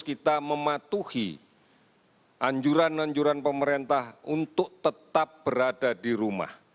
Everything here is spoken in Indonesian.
kita mematuhi anjuran anjuran pemerintah untuk tetap berada di rumah